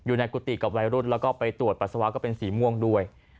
กุฏิกับวัยรุ่นแล้วก็ไปตรวจปัสสาวะก็เป็นสีม่วงด้วย